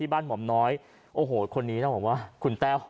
บ้านหม่อมน้อยโอ้โหคนนี้นะผมว่าคุณแต้ว